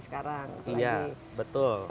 sekarang iya betul